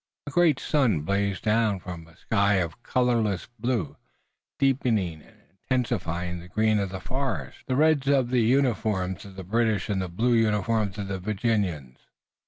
A great sun blazed down from a sky of cloudless blue, deepening and intensifying the green of the forest, the red uniforms of the British and the blue uniforms of the Virginians.